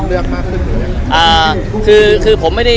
เลือกมากขึ้นหรืออย่างนี้